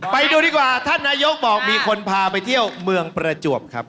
ไปดูดีกว่าท่านนายกบอกมีคนพาไปเที่ยวเมืองประจวบครับ